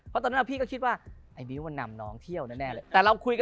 เพราะตอนนั้นอะพี่ก็คิดว่าไอ้นี่มันนำน้องเที่ยวแน่เลย